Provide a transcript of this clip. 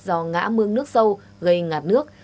do ngã mương nước sâu gây ngạt nước